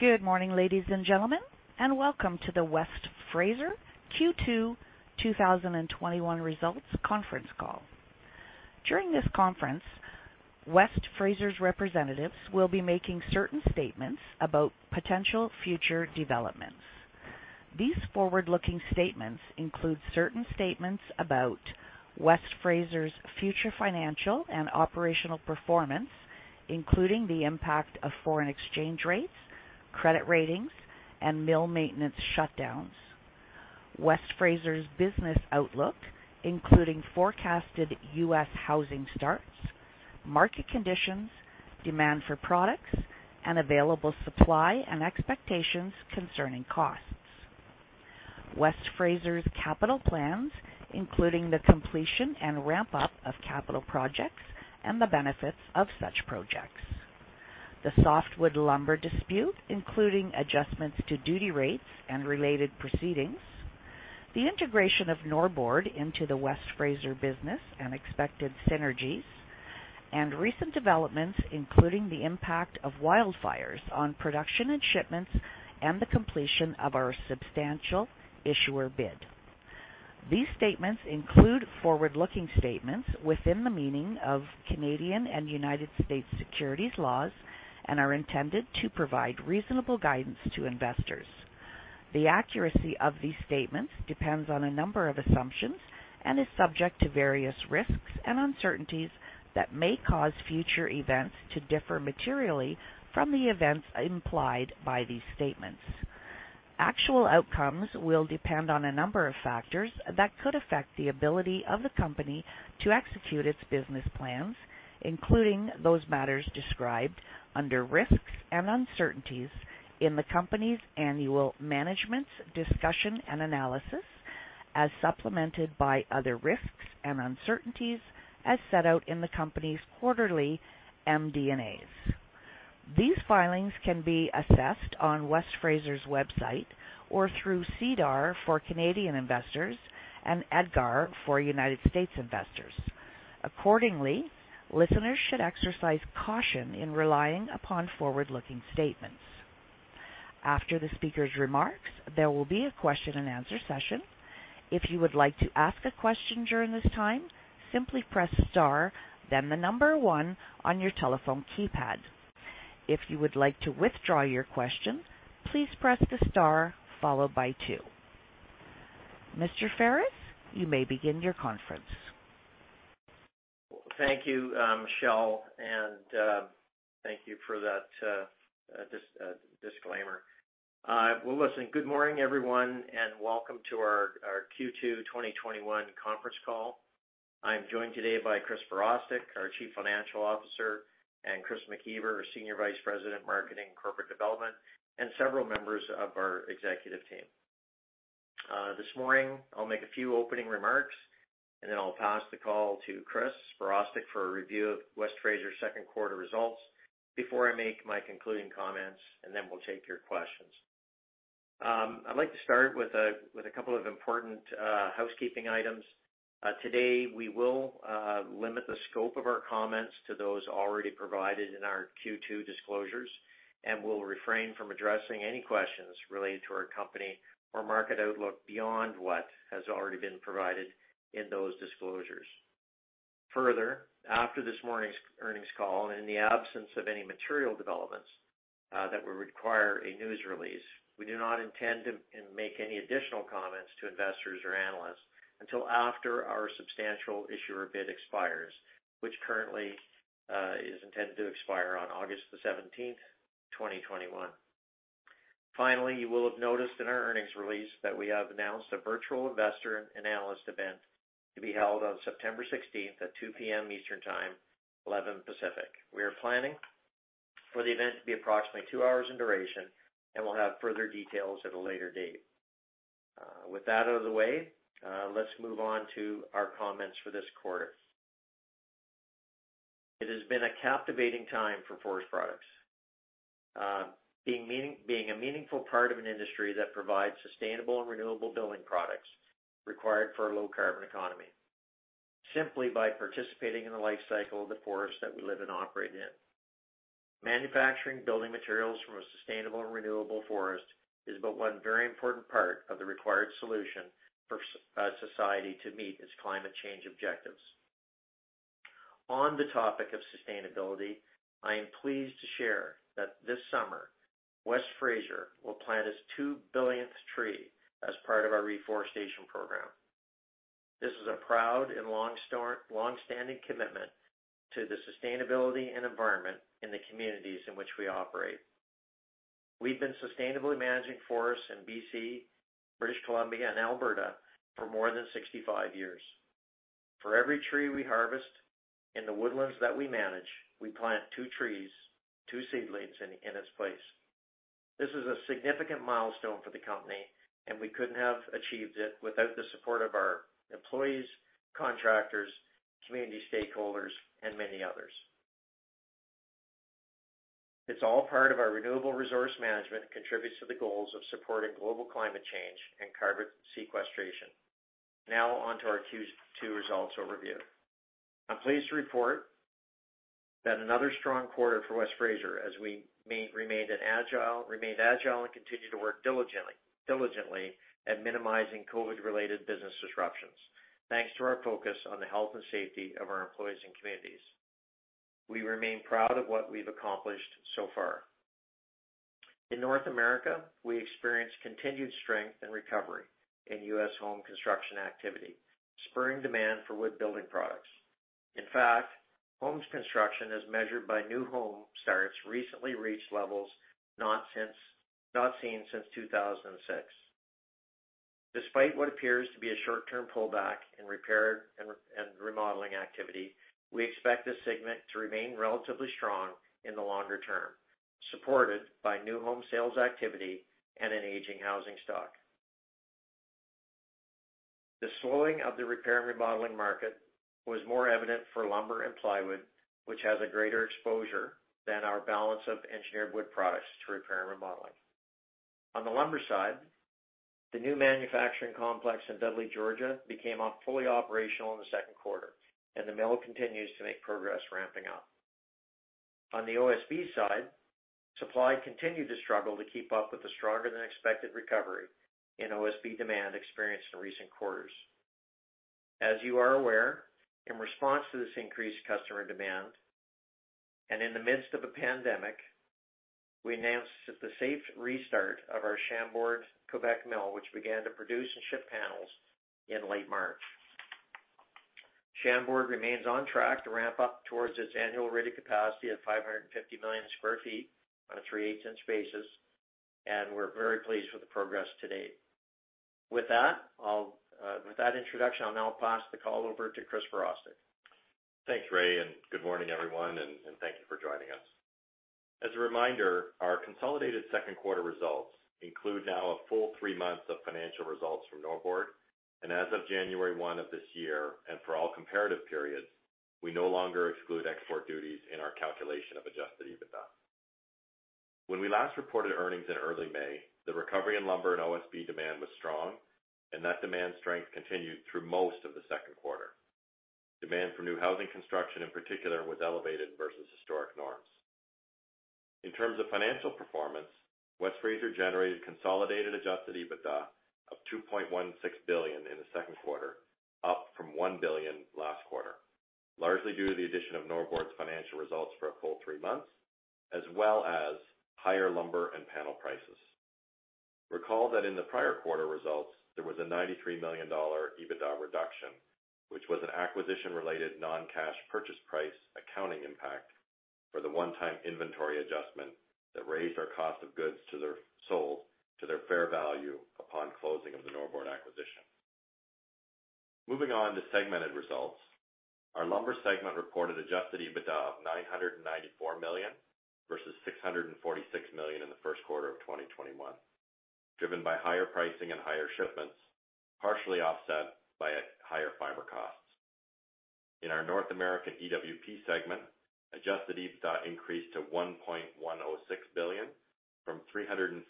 Good morning, ladies and gentlemen, and welcome to the West Fraser Q2 2021 results conference call. During this conference, West Fraser's representatives will be making certain statements about potential future developments. These forward-looking statements include certain statements about West Fraser's future financial and operational performance, including the impact of foreign exchange rates, credit ratings, and mill maintenance shutdowns. West Fraser's business outlook, including forecasted U.S. housing starts, market conditions, demand for products, and available supply and expectations concerning costs. West Fraser's capital plans, including the completion and ramp-up of capital projects and the benefits of such projects. The softwood lumber dispute, including adjustments to duty rates and related proceedings. The integration of Norbord into the West Fraser business and expected synergies, and recent developments, including the impact of wildfires on production and shipments and the completion of our substantial issuer bid. These statements include forward-looking statements within the meaning of Canadian and United States securities laws and are intended to provide reasonable guidance to investors. The accuracy of these statements depends on a number of assumptions and is subject to various risks and uncertainties that may cause future events to differ materially from the events implied by these statements. Actual outcomes will depend on a number of factors that could affect the ability of the company to execute its business plans, including those matters described under risks and uncertainties in the company's annual management's discussion and analysis, as supplemented by other risks and uncertainties as set out in the company's quarterly MD&As. These filings can be assessed on West Fraser's website or through SEDAR for Canadian investors and EDGAR for United States investors. Accordingly, listeners should exercise caution in relying upon forward-looking statements. After the speaker's remarks, there will be a question and answer session. If you would like to ask a question during this time, simply press star then the number one on your telephone keypad. If you would like to withdraw your question, please press the star follow by two. Mr. Ferris, you may begin your conference. Thank you, Michelle, and thank you for that disclaimer. Well, listen, good morning, everyone, and welcome to our Q2 2021 conference call. I am joined today by Chris Virostek, our Chief Financial Officer; Chris McIver, our Senior Vice President, Marketing and Corporate Development; and several members of our executive team. This morning, I'll make a few opening remarks, and then I'll pass the call to Chris Virostek for a review of West Fraser's second quarter results before I make my concluding comments, and then we'll take your questions. I'd like to start with a couple of important housekeeping items. Today, we will limit the scope of our comments to those already provided in our Q2 disclosures, and we'll refrain from addressing any questions related to our company or market outlook beyond what has already been provided in those disclosures. After this morning's earnings call, and in the absence of any material developments that would require a news release, we do not intend to make any additional comments to investors or analysts until after our substantial issuer bid expires, which currently is intended to expire on August 17, 2021. You will have noticed in our earnings release that we have announced a virtual investor and analyst event to be held on September 16th at 2:00 P.M. Eastern Time, 11:00 Pacific. We are planning for the event to be approximately two hours in duration, and we'll have further details at a later date. With that out of the way, let's move on to our comments for this quarter. It has been a captivating time for forest products, being a meaningful part of an industry that provides sustainable and renewable building products required for a low-carbon economy simply by participating in the life cycle of the forest that we live and operate in. Manufacturing building materials from a sustainable and renewable forest is but one very important part of the required solution for society to meet its climate change objectives. On the topic of sustainability, I am pleased to share that this summer, West Fraser will plant its 2 billionth tree as part of our reforestation program. This is a proud and longstanding commitment to the sustainability and environment in the communities in which we operate. We've been sustainably managing forests in B.C., British Columbia, and Alberta for more than 65 years. For every tree we harvest in the woodlands that we manage, we plant two trees, two seedlings, in its place. This is a significant milestone for the company, and we couldn't have achieved it without the support of our employees, contractors, community stakeholders, and many others. It's all part of our renewable resource management that contributes to the goals of supporting global climate change and carbon sequestration. On to our Q2 results overview. I'm pleased to report that another strong quarter for West Fraser, as we remained agile and continued to work diligently at minimizing COVID-related business disruptions, thanks to our focus on the health and safety of our employees and communities. We remain proud of what we've accomplished so far. In North America, we experienced continued strength and recovery in U.S. home construction activity, spurring demand for wood-building products. In fact, home construction as measured by new home starts recently reached levels not seen since 2006. Despite what appears to be a short-term pullback in repair and remodeling activity, we expect this segment to remain relatively strong in the longer term, supported by new home sales activity and an aging housing stock. The slowing of the repair and remodeling market was more evident for lumber and plywood, which have a greater exposure than our balance of engineered wood products to repair and remodeling. On the lumber side, the new manufacturing complex in Dudley, Georgia, became fully operational in the second quarter, and the mill continues to make progress ramping up. On the OSB side, supply continued to struggle to keep up with the stronger-than-expected recovery in OSB demand experienced in recent quarters. As you are aware, in response to this increased customer demand and in the midst of a pandemic, we announced the safe restart of our Chambord, Quebec, mill, which began to produce and ship panels in late March. Chambord remains on track to ramp up towards its annual rated capacity of 550 million square feet on a three-eighths-inch basis, and we're very pleased with the progress to date. With that introduction, I'll now pass the call over to Chris Virostek. Thanks, Ray, and good morning, everyone, and thank you for joining us. As a reminder, our consolidated second quarter results include now a full three months of financial results from Norbord, and as of January 1 of this year, and for all comparative periods, we no longer exclude export duties in our calculation of adjusted EBITDA. When we last reported earnings in early May, the recovery in lumber and OSB demand was strong, and that demand strength continued through most of the second quarter. Demand for new housing construction in particular was elevated versus historic norms. In terms of financial performance, West Fraser generated consolidated adjusted EBITDA of 2.16 billion in the second quarter, up from 1 billion last quarter, largely due to the addition of Norbord's financial results for a full three months, as well as higher lumber and panel prices. Recall that in the prior quarter results, there was a 93 million dollar EBITDA reduction, which was an acquisition-related non-cash purchase price accounting impact for the one-time inventory adjustment that raised our cost of goods sold to their fair value upon closing of the Norbord acquisition. Moving on to segmented results. Our lumber segment reported adjusted EBITDA of 994 million versus 646 million in the first quarter of 2021, driven by higher pricing and higher shipments, partially offset by higher fiber costs. In our North American EWP segment, adjusted EBITDA increased to 1.106 billion from 353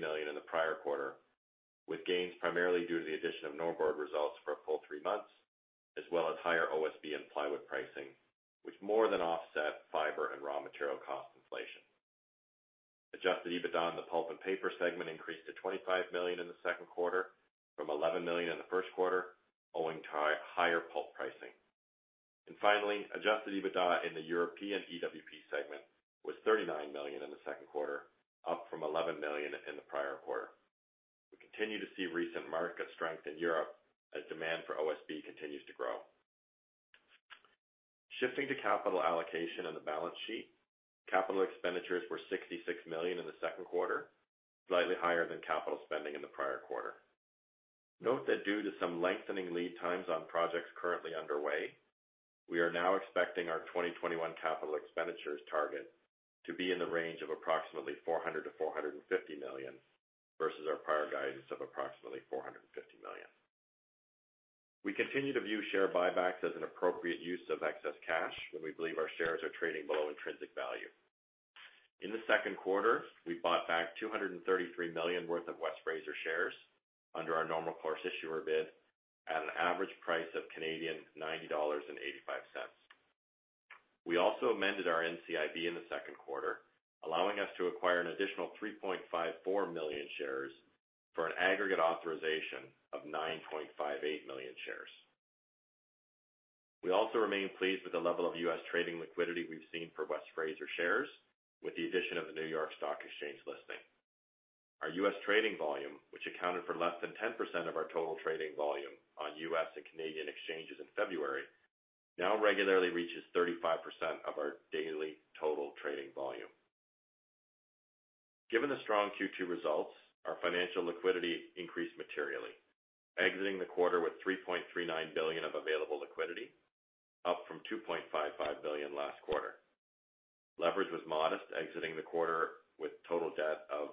million in the prior quarter, with gains primarily due to the addition of Norbord results for a full three months, as well as higher OSB and plywood pricing, which more than offset fiber and raw material cost inflation. Adjusted EBITDA in the pulp and paper segment increased to 25 million in the second quarter from 11 million in the first quarter, owing to higher pulp pricing. Finally, adjusted EBITDA in the European EWP segment was 39 million in the second quarter, up from 11 million in the prior quarter. We continue to see recent market strength in Europe as demand for OSB continues to grow. Shifting to capital allocation and the balance sheet, capital expenditures were 66 million in the second quarter, slightly higher than capital spending in the prior quarter. Note that due to some lengthening lead times on projects currently underway, we are now expecting our 2021 capital expenditures target to be in the range of approximately 400 million-450 million, versus our prior guidance of approximately 450 million. We continue to view share buybacks as an appropriate use of excess cash when we believe our shares are trading below intrinsic value. In the second quarter, we bought back 233 million worth of West Fraser shares under our normal course issuer bid at an average price of 90.85 Canadian dollars. We also amended our NCIB in the second quarter, allowing us to acquire an additional 3.54 million shares for an aggregate authorization of 9.58 million shares. We also remain pleased with the level of US trading liquidity we've seen for West Fraser shares with the addition of the New York Stock Exchange listing. Our US trading volume, which accounted for less than 10% of our total trading volume on US and Canadian exchanges in February, now regularly reaches 35% of our daily total trading volume. Given the strong Q2 results, our financial liquidity increased materially, exiting the quarter with 3.39 billion of available liquidity, up from 2.55 billion last quarter. Leverage was modest, exiting the quarter with total debt of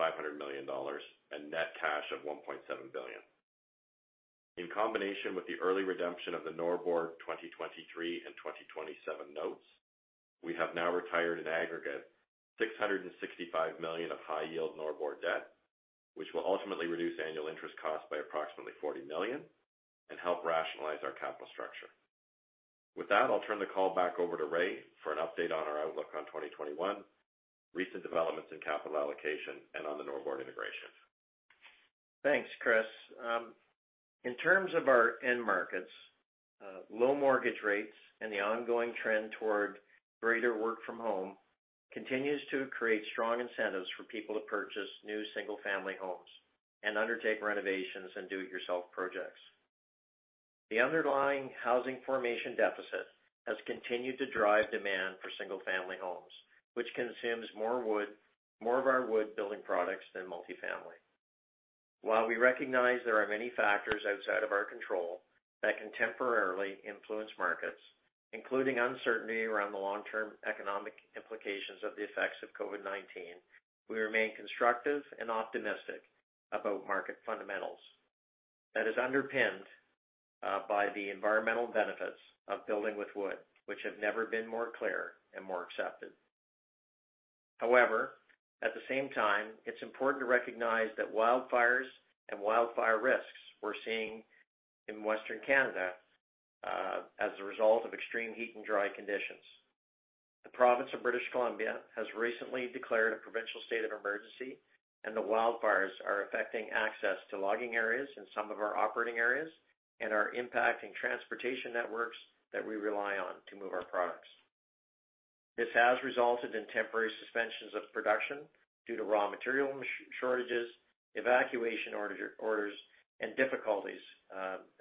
$500 million and net cash of $1.7 billion. In combination with the early redemption of the Norbord 2023 and 2027 notes. We have now retired an aggregate 665 million of high-yield Norbord debt, which will ultimately reduce annual interest costs by approximately 40 million and help rationalize our capital structure. With that, I'll turn the call back over to Ray for an update on our outlook on 2021, recent developments in capital allocation, and on the Norbord integration. Thanks, Chris. In terms of our end markets, low mortgage rates and the ongoing trend toward greater work from home continue to create strong incentives for people to purchase new single-family homes and undertake renovations and do-it-yourself projects. The underlying housing formation deficit has continued to drive demand for single-family homes, which consumes more of our wood building products than multifamily. While we recognize there are many factors outside of our control that can temporarily influence markets, including uncertainty around the long-term economic implications of the effects of COVID-19, we remain constructive and optimistic about market fundamentals. That is underpinned by the environmental benefits of building with wood, which have never been more clear and more accepted. However, at the same time, it's important to recognize that wildfires and wildfire risks we're seeing in Western Canada as a result of extreme heat and dry conditions. The province of British Columbia has recently declared a provincial state of emergency. The wildfires are affecting access to logging areas in some of our operating areas and are impacting transportation networks that we rely on to move our products. This has resulted in temporary suspensions of production due to raw material shortages, evacuation orders, and difficulties,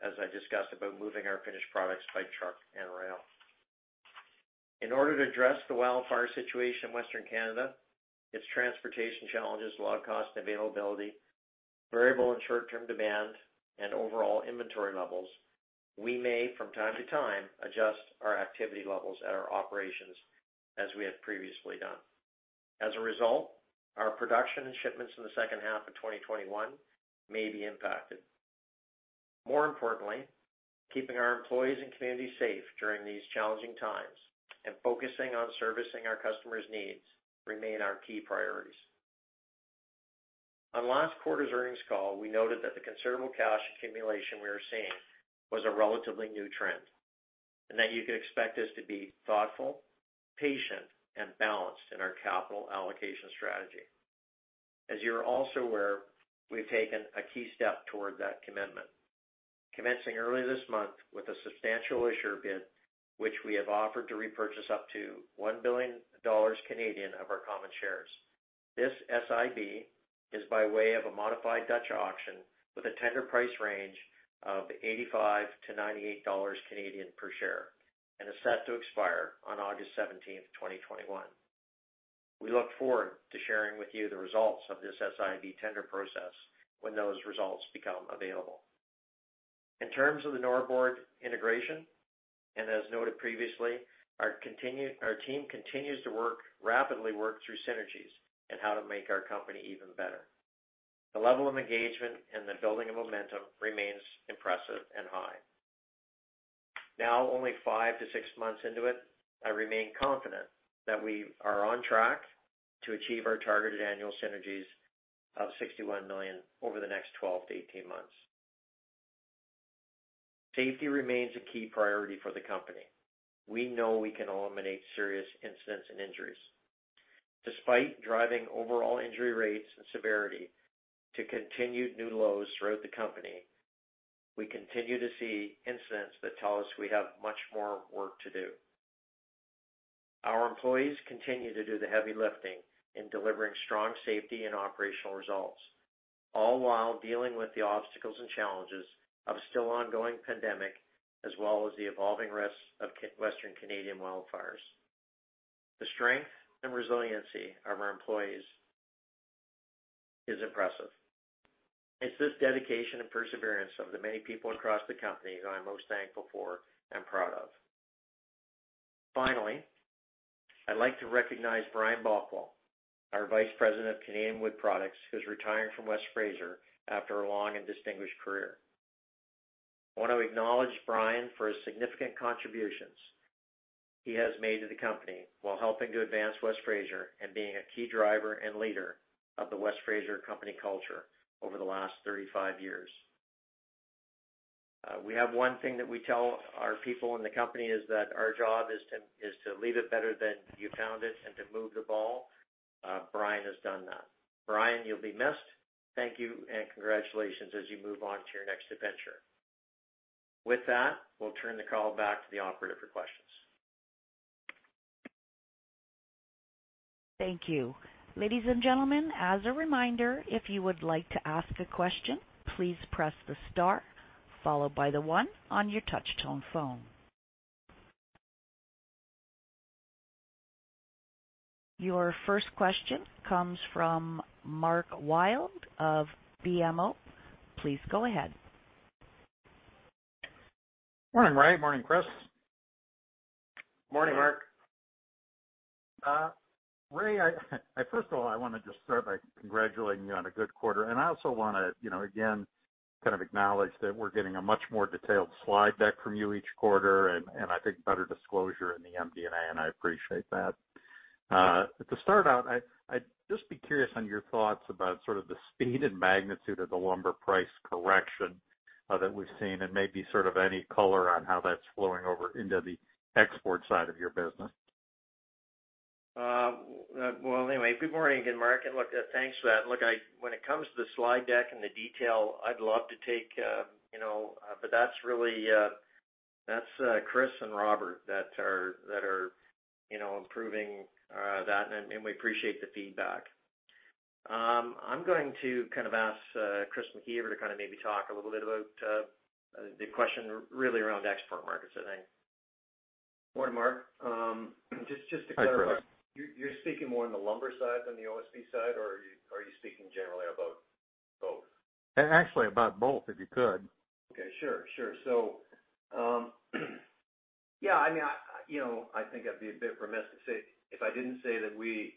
as I discussed, about moving our finished products by truck and rail. In order to address the wildfire situation in Western Canada, its transportation challenges, log cost availability, variable and short-term demand, and overall inventory levels, we may, from time to time, adjust our activity levels at our operations as we have previously done. As a result, our production and shipments in the second half of 2021 may be impacted. More importantly, keeping our employees and community safe during these challenging times and focusing on servicing our customers' needs remain our key priorities. On last quarter's earnings call, we noted that the considerable cash accumulation we were seeing was a relatively new trend and that you could expect us to be thoughtful, patient, and balanced in our capital allocation strategy. As you're also aware, we've taken a key step toward that commitment. Commencing early this month with a substantial issuer bid, which we have offered to repurchase up to 1 billion Canadian dollars of our common shares. This SIB is by way of a modified Dutch auction with a tender price range of CA$85-CA$98 per share and is set to expire on August 17th, 2021. We look forward to sharing with you the results of this SIB tender process when those results become available. In terms of the Norbord integration, as noted previously, our team continues to rapidly work through synergies and how to make our company even better. The level of engagement and the building of momentum remain impressive and high. Now only five to six months into it, I remain confident that we are on track to achieve our targeted annual synergies of 61 million over the next 12-18 months. Safety remains a key priority for the company. We know we can eliminate serious incidents and injuries. Despite driving overall injury rates and severity to continued new lows throughout the company, we continue to see incidents that tell us we have much more work to do. Our employees continue to do the heavy lifting in delivering strong safety and operational results, all while dealing with the obstacles and challenges of a still ongoing pandemic, as well as the evolving risks of Western Canadian wildfires. The strength and resiliency of our employees is impressive. It's this dedication and perseverance of the many people across the company who I'm most thankful for and proud of. Finally, I'd like to recognize Brian Balkwill, our vice president of Canadian Wood Products, who's retiring from West Fraser after a long and distinguished career. I want to acknowledge Brian for his significant contributions he has made to the company while helping to advance West Fraser and being a key driver and leader of the West Fraser company culture over the last 35 years. We have one thing that we tell our people in the company is that our job is to leave it better than you found it and to move the ball. Brian has done that. Brian, you'll be missed. Thank you, congratulations as you move on to your next adventure. With that, we'll turn the call back to the operator for questions. Thank you. Ladies and gentlemen, as a reminder, if you would like to ask a question, please press the star followed by the one on your touch-tone phone. Your first question comes from Mark Wilde of BMO. Please go ahead. Morning, Ray. Morning, Chris. Morning, Mark. Ray, first of all, I want to just start by congratulating you on a good quarter, and I also want to, again, acknowledge that we're getting a much more detailed slide deck from you each quarter and I think better disclosure in the MD&A, and I appreciate that. To start out, I'd just be curious on your thoughts about the speed and magnitude of the lumber price correction that we've seen and maybe any color on how that's flowing over into the export side of your business. Anyway, good morning again, Mark. Look, thanks for that. Look, when it comes to the slide deck and the detail, I'd love to take credit, but that's Chris and Robert that are improving that. We appreciate the feedback. I'm going to ask Chris Mclver to maybe talk a little bit about the question really around export markets, I think. Good morning, Mark. Just to clarify. Hi, Chris. You're speaking more on the lumber side than the OSB side, or are you speaking generally about both? Actually, about both, if you could. Okay. Sure. Yeah, I think I'd be a bit remiss if I didn't say that we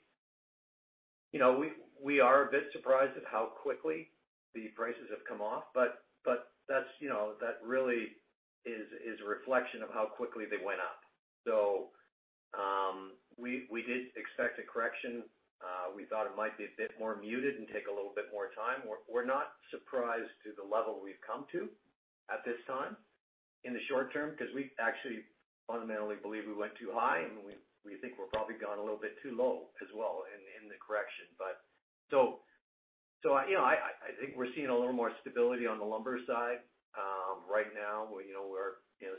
are a bit surprised at how quickly the prices have come off, but that really is a reflection of how quickly they went up. We did expect a correction. We thought it might be a bit more muted and take a little bit more time. We're not surprised to the level we've come to at this time in the short term, because we actually fundamentally believe we went too high, and we think we've probably gone a little bit too low as well in the correction. I think we're seeing a little more stability on the lumber side right now, where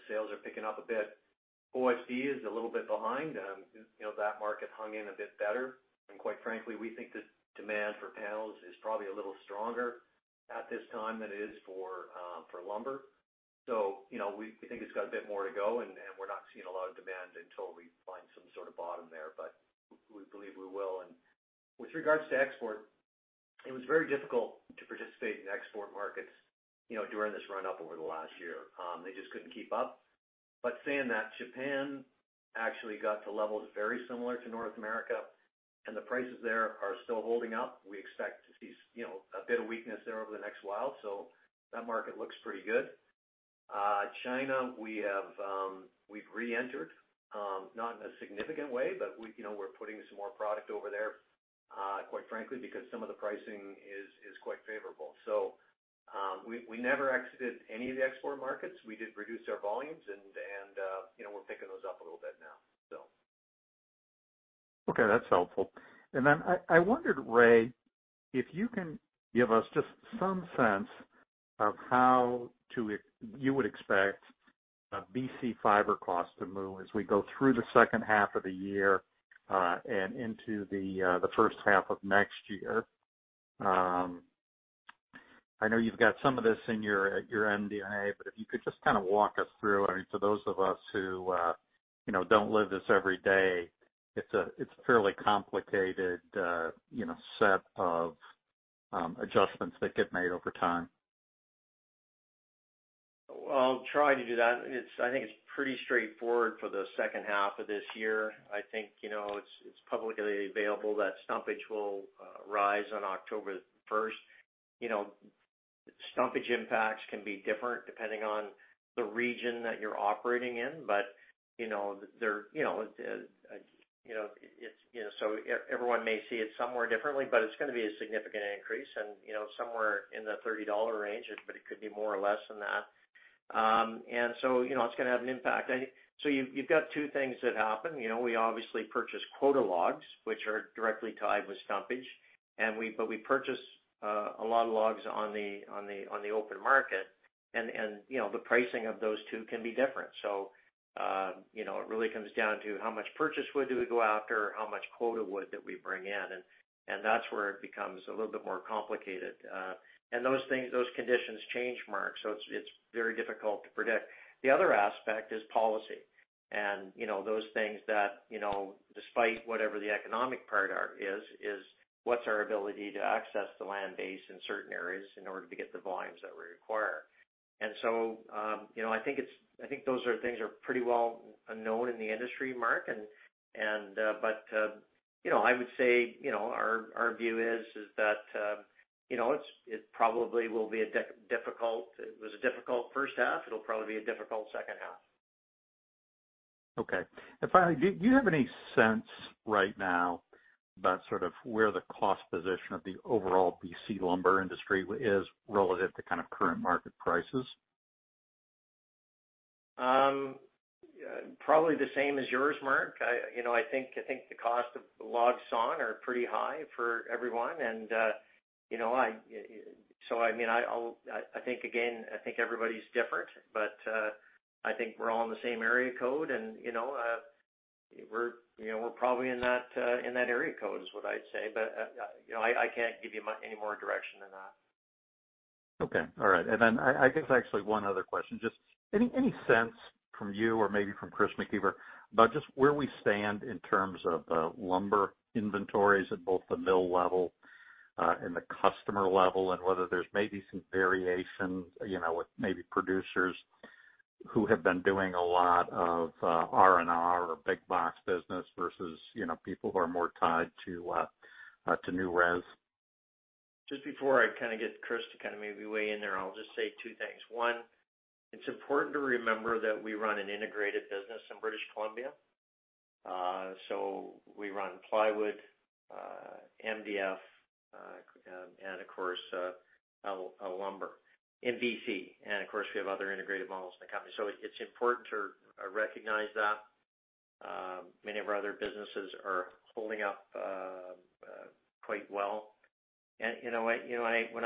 sales are picking up a bit. OSB is a little bit behind. That market hung in a bit better. Quite frankly, we think the demand for panels is probably a little stronger at this time than it is for lumber. We think it's got a bit more to go, and we're not seeing a lot of demand until we find some sort of bottom there, but we believe we will. With regards to export, it was very difficult to participate in export markets during this run-up over the last year. They just couldn't keep up. Saying that, Japan actually got to levels very similar to North America, and the prices there are still holding up. We expect to see a bit of weakness there over the next while, so that market looks pretty good. China, we've re-entered, not in a significant way, but we're putting some more product over there, quite frankly, because some of the pricing is quite favorable. We never exited any of the export markets. We did reduce our volumes, and we're picking those up a little bit now. Okay, that's helpful. I wondered, Ray, if you can give us just some sense of how you would expect B.C. fiber costs to move as we go through the second half of the year and into the first half of next year. I know you've got some of this in your MD&A; if you could just walk us through. I mean, for those of us who don't live this every day, it's a fairly complicated set of adjustments that get made over time. I'll try to do that. I think it's pretty straightforward for the second half of this year. I think it's publicly available that stumpage will rise on October 1st. Stumpage impacts can be different depending on the region that you're operating in. Everyone may see it somewhere differently, but it's going to be a significant increase and somewhere in the 30 dollar range, but it could be more or less than that. It's going to have an impact. You've got two things that happen. We obviously purchase quota logs, which are directly tied with stumpage, but we purchase a lot of logs on the open market, and the pricing of those two can be different. It really comes down to how much purchase wood do we go after, or how much quota wood that we bring in, and that's where it becomes a little bit more complicated. Those conditions change, Mark, so it's very difficult to predict. The other aspect is policy. Those things that, despite whatever the economic part is, what's our ability to access the land base in certain areas in order to get the volumes that we require? I think those are things that are pretty well known in the industry, Mark. I would say our view is that it probably will be difficult. It was a difficult first half; it'll probably be a difficult second half. Okay. Finally, do you have any sense right now about where the cost position of the overall B.C. lumber industry is relative to current market prices? Probably the same as yours, Mark. I think the cost of logs sawn are pretty high for everyone. I think everybody's different, but I think we're all in the same area code, and we're probably in that area code is what I'd say. I can't give you any more direction than that. Okay. All right. I guess actually one other question: just any sense from you or maybe from Chris Mclver about just where we stand in terms of lumber inventories at both the mill level and the customer level, whether there's maybe some variations with maybe producers who have been doing a lot of R&R or big box business versus people who are more tied to new res? Just before I get Chris to maybe weigh in there, I'll just say two things. one, It's important to remember that we run an integrated business in British Columbia. We run plywood, MDF, and, of course, lumber in BC, and of course, we have other integrated models in the company. It's important to recognize that. Many of our other businesses are holding up quite well. When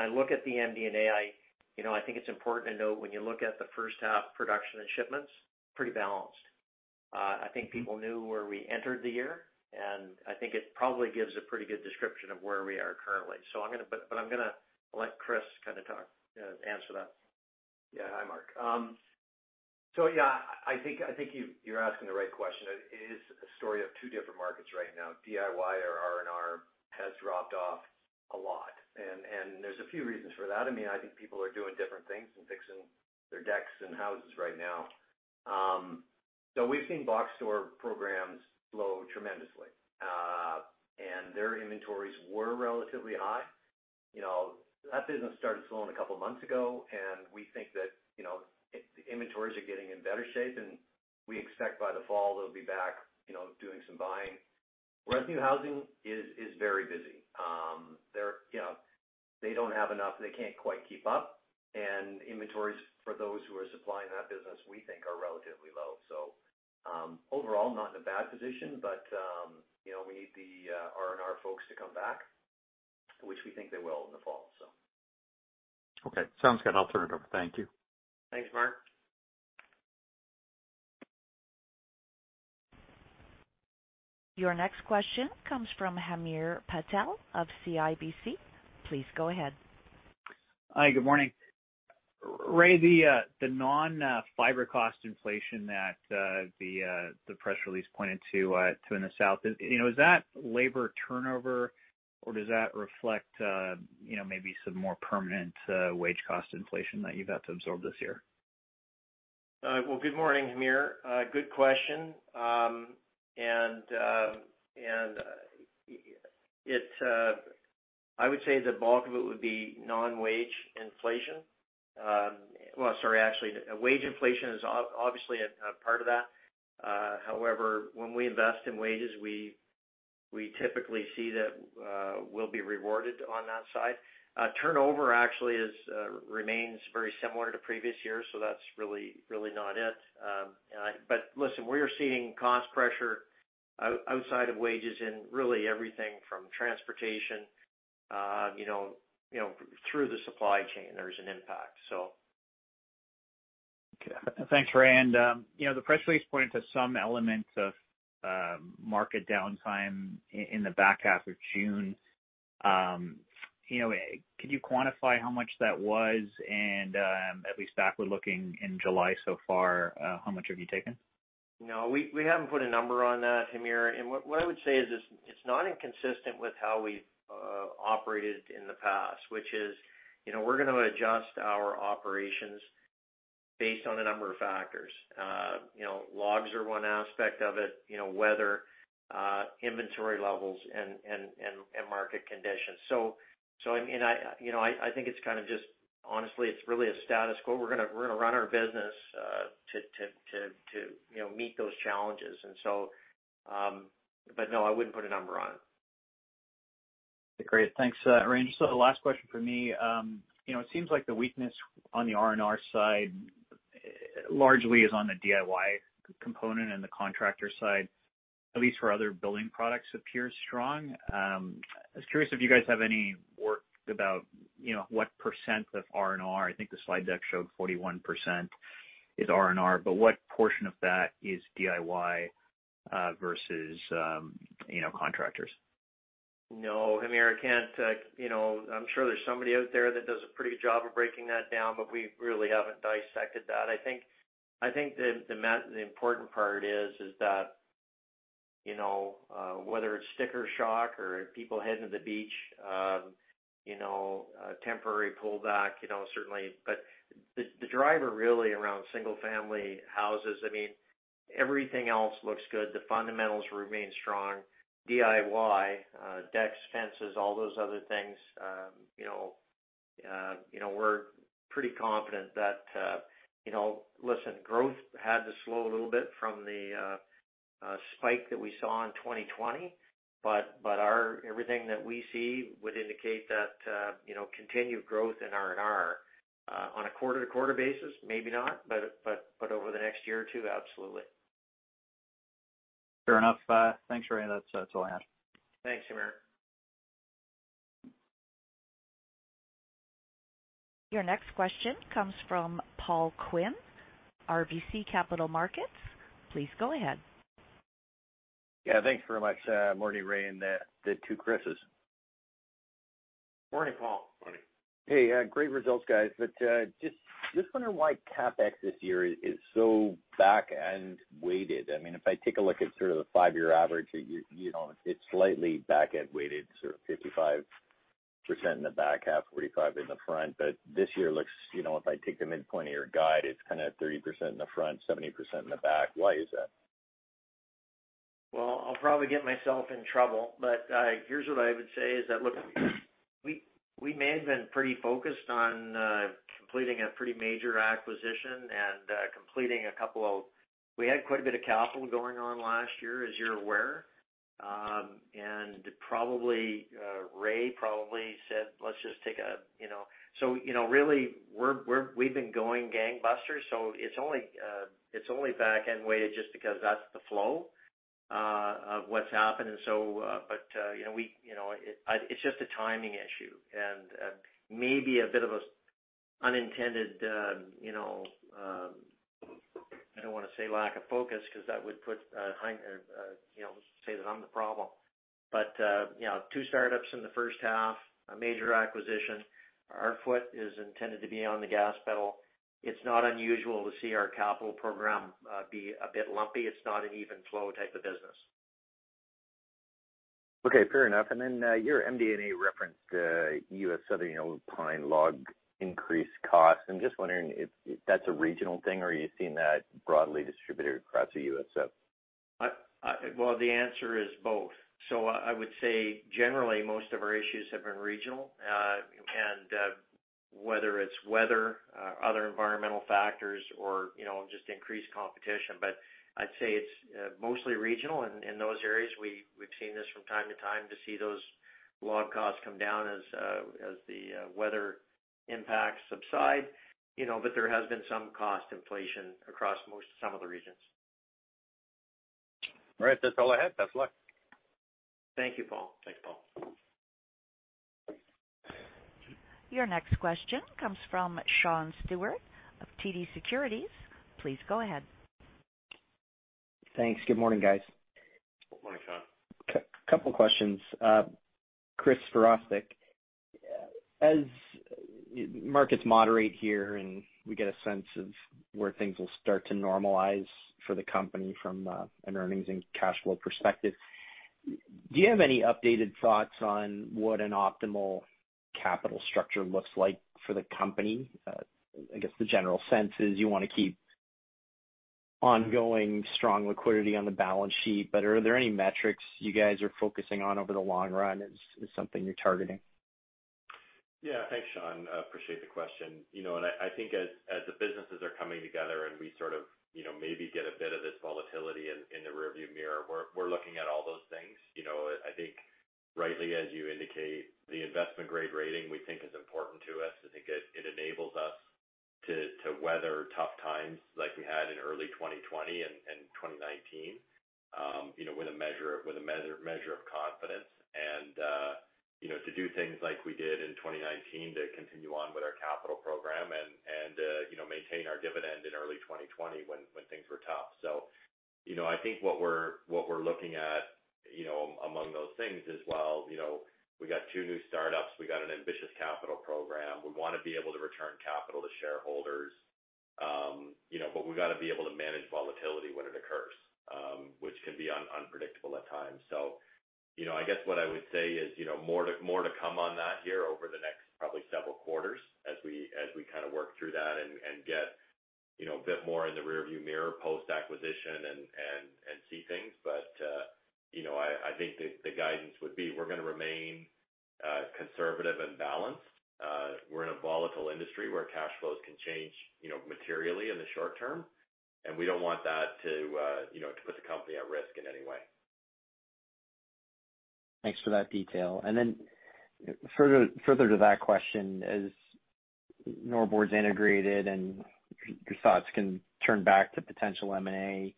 I look at the MD&A, I think it's important to note when you look at the first half production and shipments, pretty balanced. I think people knew where we entered the year, and I think it probably gives a pretty good description of where we are currently. I'm going to let Chris answer that. Hi, Mark Wilde. Yeah, I think you're asking the right question. It is a story of two different markets right now. DIY or R&R has dropped off a lot, and there's a few reasons for that. I think people are doing different things than fixing their decks and houses right now. We've seen box store programs slow tremendously. Their inventories were relatively high. That business started slowing a couple of months ago, and we think that inventories are getting in better shape, and we expect by the fall they'll be back doing some buying. Res new housing is very busy. They don't have enough. They can't quite keep up, and inventories for those who are supplying that business, we think, are relatively low. Overall, not in a bad position, but we need the R&R folks to come back, which we think they will in the fall. Okay. Sounds good. I'll turn it over. Thank you. Thanks, Mark. Your next question comes from Hamir Patel of CIBC. Please go ahead. Hi, good morning. Ray, the non-fiber cost inflation that the press release pointed to in the South, is that labor turnover, or does that reflect maybe some more permanent wage cost inflation that you've had to absorb this year? Well, good morning, Hamir. Good question. I would say the bulk of it would be non-wage inflation. Well, sorry, actually, wage inflation is obviously a part of that. However, when we invest in wages, we typically see that we'll be rewarded on that side. Turnover actually remains very similar to previous years, so that's really not it. Listen, we are seeing cost pressure outside of wages in really everything from transportation through the supply chain; there's an impact. Okay. Thanks, Ray. The press release pointed to some elements of market downtime in the back half of June. Could you quantify how much that was? At least backward-looking in July so far, how much have you taken? No, we haven't put a number on that, Hamir. What I would say is it's not inconsistent with how we've operated in the past, which is we're going to adjust our operations based on a number of factors. Logs are one aspect of it, weather, inventory levels, and market conditions. I think it's kind of honestly, it's really a status quo. We're going to run our business to meet those challenges. No, I wouldn't put a number on it. Great. Thanks, Ray. Just the last question from me. It seems like the weakness on the R&R side largely is on the DIY component, and the contractor side, at least for other building products, appears strong. I was curious if you guys have any work about what percent of R&R. I think the slide deck showed 41% is R&R, but what portion of that is DIY versus contractors? No, Hamir, I can't. I'm sure there's somebody out there that does a pretty good job of breaking that down, but we really haven't dissected that. I think the important part is that whether it's sticker shock or people heading to the beach, a temporary pullback, certainly. The driver really around single-family houses; everything else looks good. The fundamentals remain strong. DIY decks, fences, all those other things—we're pretty confident. Listen, growth had to slow a little bit from the spike that we saw in 2020, but everything that we see would indicate that continued growth in R&R on a quarter-to-quarter basis, maybe not, but over the next year or two, absolutely. Fair enough. Thanks, Ray. That's all I had. Thanks, Hamir. Your next question comes from Paul Quinn, RBC Capital Markets. Please go ahead. Yeah, thanks very much. Morning, Ray, and the two Chrises. Morning, Paul. Morning. Great results, guys; I'm just wondering why CapEx this year is so back-end weighted. If I take a look at sort of the five-year average, it's slightly back-end weighted, sort of 55% in the back, 45% in the front. This year looks, if I take the midpoint of your guide, it's kind of 30% in the front, 70% in the back. Why is that? Well, I'll probably get myself in trouble, but here's what I would say is that, look, we may have been pretty focused on completing a pretty major acquisition and completing. We had quite a bit of capital going on last year, as you're aware. Ray probably said, "Let's just take a break." Really, we've been going gangbusters, so it's only back-end weighted just because that's the flow of what's happened. It's just a timing issue and maybe a bit of an unintended, I don't want to say lack of focus, because that would say that I'm the problem, but two startups in the first half and a major acquisition. Our foot is intended to be on the gas pedal. It's not unusual to see our capital program be a bit lumpy. It's not an even flow type of business. Okay. Fair enough. Your MD&A referenced the U.S. Southern Pine log increased cost. I'm just wondering if that's a regional thing or are you seeing that broadly distributed across the U.S. South. Well, the answer is both. I would say generally, most of our issues have been regional, and whether it's weather, other environmental factors, or just increased competition. I'd say it's mostly regional in those areas. We've seen this from time to time—to see those log costs come down as the weather impacts subside. There has been some cost inflation across some of the regions. All right. That's all I had. Best of luck. Thank you, Paul. Your next question comes from Sean Steuart of TD Securities. Please go ahead. Thanks. Good morning, guys. Good morning, Sean. Couple questions. Chris Virostek, as markets moderate here and we get a sense of where things will start to normalize for the company from an earnings and cash flow perspective, do you have any updated thoughts on what an optimal capital structure looks like for the company? I guess the general sense is you want to keep ongoing strong liquidity on the balance sheet, but are there any metrics you guys are focusing on over the long run as something you're targeting? Thanks, Sean Steuart. Appreciate the question. I think as the businesses are coming together and we sort of maybe get a bit of this volatility in the rearview mirror, we're looking at all those things. I think rightly as you indicate, the investment grade rating we think is important to us. I think it enables us to weather tough times like we had in early 2020 and 2019 with a measure of confidence and to do things like we did in 2019 to continue on with our capital program and maintain our dividend in early 2020 when things were tough. I think what we're looking at among those things as well: we got two new startups, we got an ambitious capital program. We want to be able to return capital to shareholders, but we've got to be able to manage volatility when it occurs, which can be unpredictable at times. I guess what I would say is more to come on that here over the next probably several quarters as we kind of work through that and get a bit more in the rearview mirror post-acquisition and see things. I think the guidance would be we're going to remain conservative and balanced. We're in a volatile industry where cash flows can change materially in the short term, and we don't want that to put the company at risk in any way. Thanks for that detail. Further to that question, as Norbord's integrated and your thoughts can turn back to potential M&A;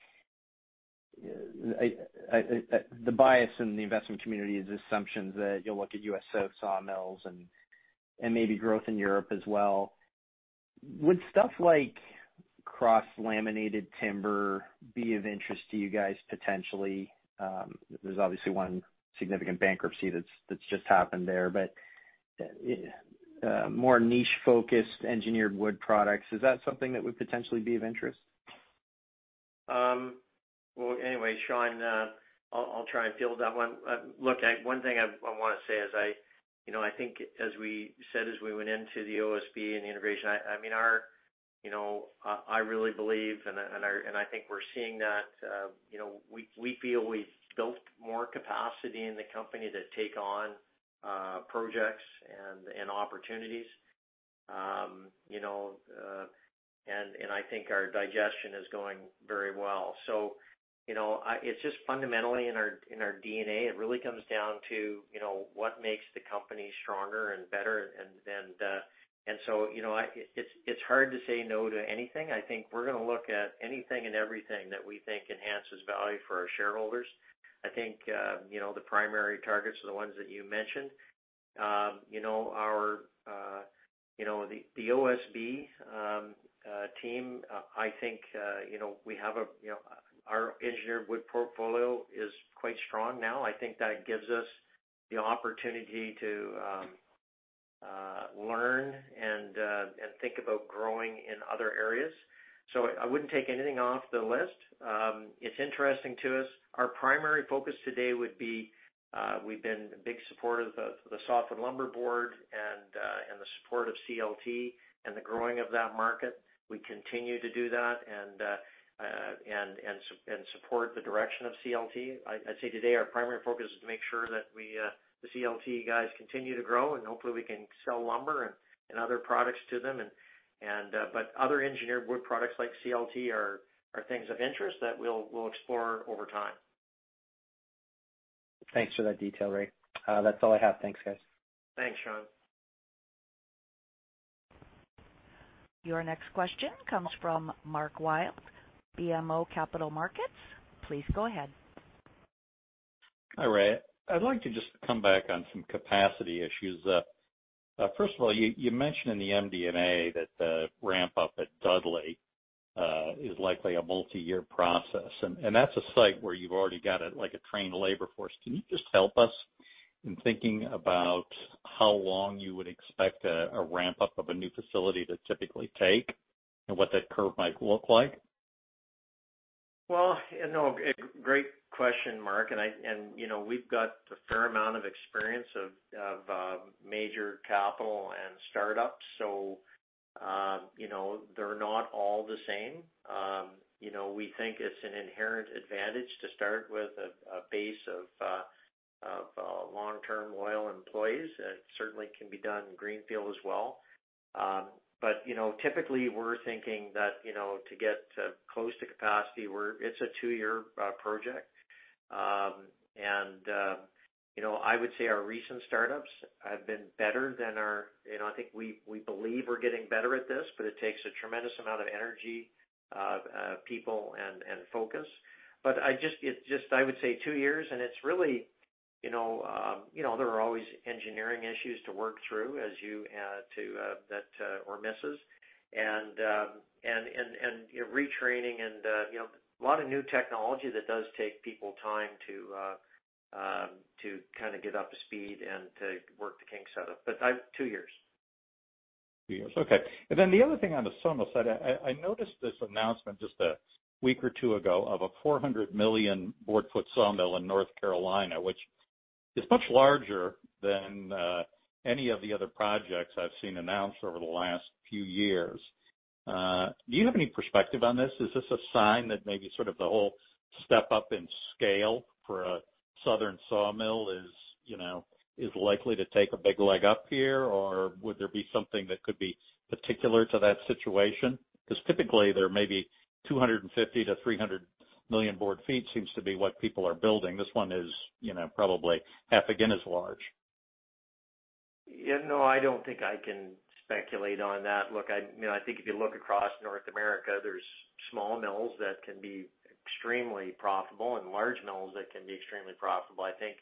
the bias in the investment community is assumptions that you'll look at U.S. South sawmills and maybe growth in Europe as well. Would stuff like cross-laminated timber be of interest to you guys potentially? There's obviously one significant bankruptcy that's just happened there, but more niche-focused engineered wood products, is that something that would potentially be of interest? Well, anyway, Sean, I'll try and field that one. Look, one thing I want to say is I think, as we said, as we went into the OSB and the integration, I really believe, and I think we're seeing that we feel we've built more capacity in the company to take on projects and opportunities. I think our digestion is going very well. It's just fundamentally in our DNA. It really comes down to what makes the company stronger and better. It's hard to say no to anything. I think we're going to look at anything and everything that we think enhances value for our shareholders. I think the primary targets are the ones that you mentioned. The OSB team, I think our engineered wood portfolio is quite strong now. I think that gives us the opportunity to learn and think about growing in other areas. I wouldn't take anything off the list. It's interesting to us. Our primary focus today would be, we've been a big supporter of the Softwood Lumber Board and the support of CLT and the growing of that market. We continue to do that and support the direction of CLT. I'd say today our primary focus is to make sure that the CLT guys continue to grow, and hopefully we can sell lumber and other products to them. Other engineered wood products like CLT are things of interest that we'll explore over time. Thanks for that detail, Ray. That's all I have. Thanks, guys. Thanks, Sean. Your next question comes from Mark Wilde, BMO Capital Markets. Please go ahead. Hi, Ray. I'd like to just come back on some capacity issues. First of all, you mention in the MD&A that the ramp up at Dudley is likely a multi-year process, and that's a site where you've already got a trained labor force. Can you just help us in thinking about how long you would expect a ramp-up of a new facility to typically take and what that curve might look like? Well, great question, Mark. We've got a fair amount of experience of major capital and startups. They're not all the same. We think it's an inherent advantage to start with a base of long-term loyal employees. It certainly can be done in Greenfield as well. Typically, we're thinking that to get close to capacity, it's a two-year project. I would say our recent startups have been better than I think we believe we're getting better at this, but it takes a tremendous amount of energy, people, and focus. I would say two years, and there are always engineering issues to work through or misses and retraining and a lot of new technology that does take people time to kind of get up to speed and to work the kinks out of two years. Okay. The other thing on the sawmill side: I noticed this announcement just a week or two ago of a 400 million board foot sawmill in North Carolina, which is much larger than any of the other projects I've seen announced over the last few years. Do you have any perspective on this? Is this a sign that maybe sort of the whole step up in scale for a Southern sawmill is likely to take a big leg up here, or would there be something that could be particular to that situation? Typically there may be 250-300 million board feet seems to be what people are building. This one is probably half again as large. No, I don't think I can speculate on that. Look, I think if you look across North America, there's small mills that can be extremely profitable and large mills that can be extremely profitable. I think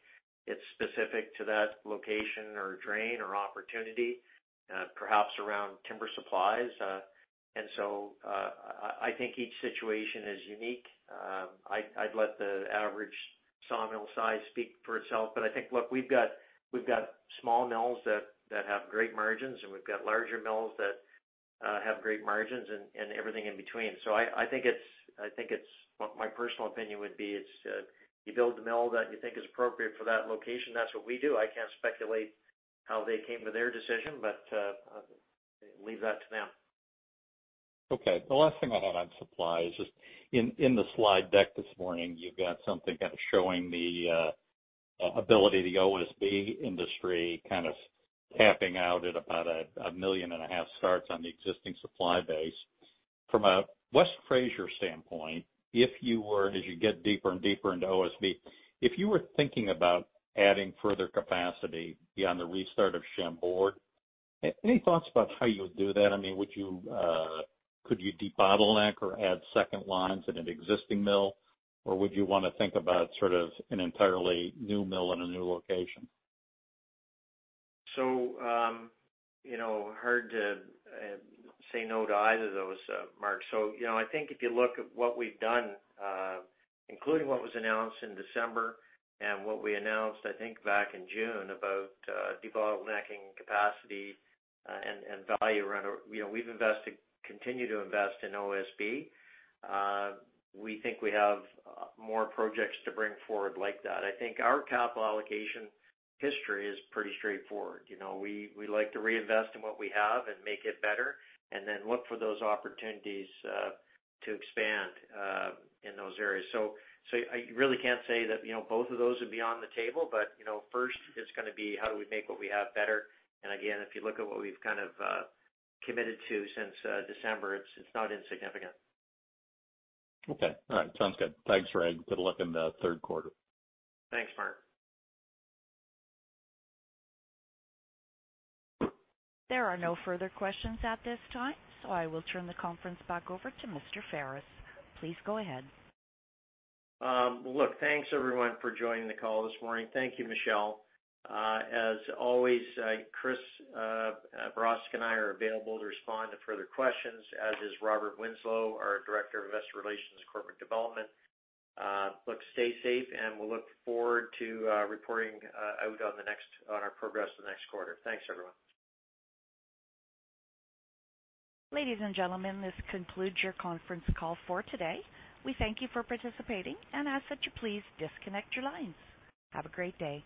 it's specific to that location or drain or opportunity, perhaps around timber supplies. I think each situation is unique. I'd let the average sawmill size speak for itself. I think, look, we've got small mills that have great margins, and we've got larger mills that have great margins and everything in between. I think my personal opinion would be is, you build the mill that you think is appropriate for that location. That's what we do. I can't speculate how they came to their decision, but leave that to them. Okay. The last thing I had on supply is just in the slide deck this morning; you've got something kind of showing the ability the OSB industry kind of capping out at about 1.5 million starts on the existing supply base. From a West Fraser standpoint, as you get deeper and deeper into OSB, if you were thinking about adding further capacity beyond the restart of Chambord, any thoughts about how you would do that? Could you debottleneck or add second lines in an existing mill, or would you want to think about sort of an entirely new mill in a new location? Hard to say no to either of those, Mark. I think if you look at what we've done, including what was announced in December and what we announced, I think back in June about debottlenecking capacity and value around. We've continued to invest in OSB. We think we have more projects to bring forward like that. I think our capital allocation history is pretty straightforward. We like to reinvest in what we have and make it better and then look for those opportunities to expand in those areas. I really can't say that both of those would be on the table, but first it's going to be, how do we make what we have better? Again, if you look at what we've kind of committed to since December, it's not insignificant. Okay. All right. Sounds good. Thanks, Ray. Good luck in the third quarter. Thanks, Mark. There are no further questions at this time. I will turn the conference back over to Mr. Ferris. Please go ahead. Thanks everyone for joining the call this morning. Thank you, Michelle. As always, Chris Virostek and I are available to respond to further questions, as is Robert Winslow, our director of investor relations and corporate development. Stay safe and we'll look forward to reporting out on our progress the next quarter. Thanks, everyone. Ladies and gentlemen, this concludes your conference call for today. We thank you for participating and ask that you please disconnect your lines. Have a great day.